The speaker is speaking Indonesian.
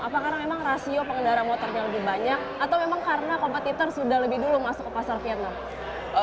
apa karena memang rasio pengendara motornya lebih banyak atau memang karena kompetitor sudah lebih dulu masuk ke pasar vietnam